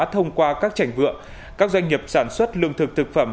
thông qua các trành vượng các doanh nghiệp sản xuất lương thực thực phẩm